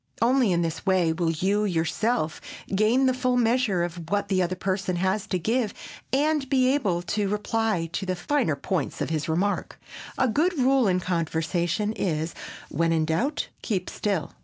Only in this way will you yourself gain the full measure of what the other person has to give and be able to reply to the finer points of his remark. A good rule in conversation is "when in doubt keep still."